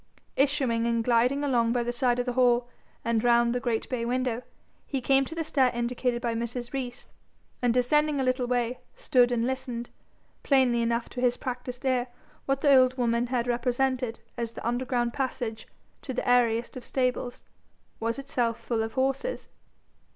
Issuing and gliding along by the side of the hall and round the great bay window, he came to the stair indicated by Mrs. Rees, and descending a little way, stood and listened: plainly enough to his practised ear, what the old woman had represented as the underground passage to the airiest of stables, was itself full of horses.